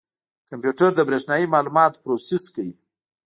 کمپیوټر د برېښنایي معلوماتو پروسس کوي.